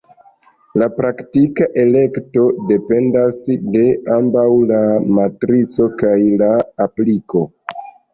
La praktika elekto dependas de ambaŭ la matrico kaj la apliko.